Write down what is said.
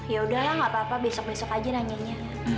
ya udah lah tidak apa apa besok besok saja tanya